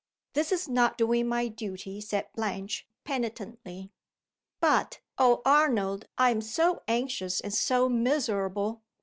"This is not doing my duty," said Blanche, penitently. "But, oh Arnold, I am so anxious and so miserable!